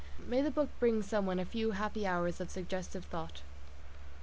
May the book bring some one a few happy hours of suggestive thought!